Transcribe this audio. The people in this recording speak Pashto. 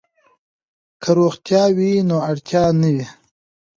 که روغتیا وي نو اړتیا نه وي.